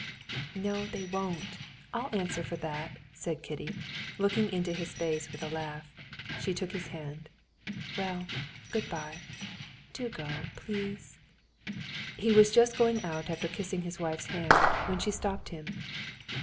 '" "No, they won't. I'll answer for that," said Kitty, looking into his face with a laugh. She took his hand. "Well, good bye.... Do go, please." He was just going out after kissing his wife's hand, when she stopped him.